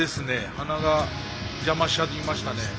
鼻が邪魔しちゃいましたね。